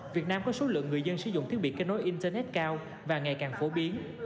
việt nam có số lượng người dân sử dụng thiết bị kết nối internet cao và ngày càng phổ biến